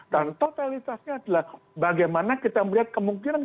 dan totalitasnya adalah bagaimana kita melihat kemungkinan